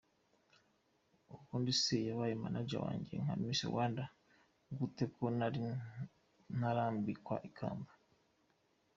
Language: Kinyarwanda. Ubundi se yabaye manager wanjye nka Miss Rwanda gute ko nari ntarambikwa ikamba?.